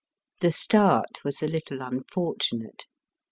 The start was a little unfortunate.